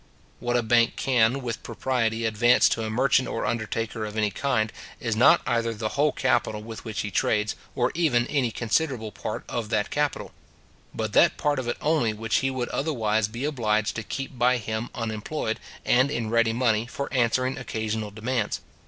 What a bank can with propriety advance to a merchant or undertaker of any kind, is not either the whole capital with which he trades, or even any considerable part of that capital; but that part of it only which he would otherwise be obliged to keep by him unemployed and in ready money, for answering occasional demands.